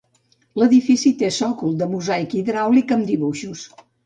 L'edifici té sòcol de mosaic hidràulic amb dibuixos.